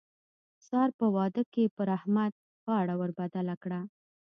سار په واده کې پر احمد غاړه ور بدله کړه.